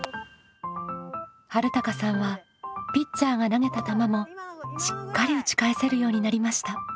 はるたかさんはピッチャーが投げた球もしっかり打ち返せるようになりました。